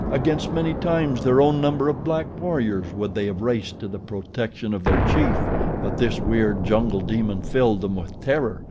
Against many times their own number of black warriors would they have raced to the protection of their chief; but this weird jungle demon filled them with terror.